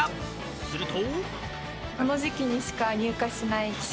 すると。